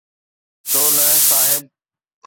ڇو نه صاحب؟